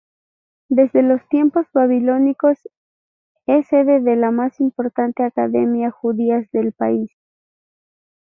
Desde los tiempos babilónicos es sede de las más importantes academias judías del país.